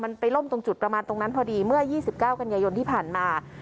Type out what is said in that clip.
มันไปล่มตรงจุดประมาณตรงนั้นพอดีเมื่อ๒๙กันยายนที่ผ่านมา